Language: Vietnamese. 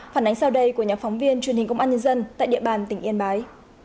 phản ánh sau đây của nhóm phóng viên truyền hình công an nhân dân tại địa bàn tỉnh yên bái